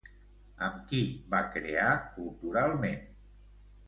Amb qui va crear Culturalment?